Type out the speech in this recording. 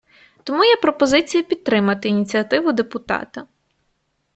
Тому є пропозиція підтримати ініціативу депутата.